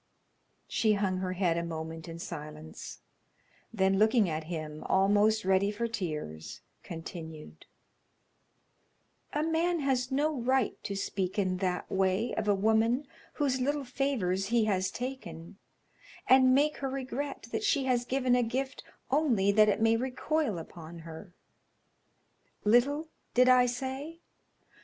She hung her head a moment in silence; then, looking at him, almost ready for tears, continued: "A man has no right to speak in that way of a woman whose little favors he has taken, and make her regret that she has given a gift only that it may recoil upon her. 'Little,' did I say?